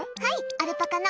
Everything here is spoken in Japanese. アルパカの。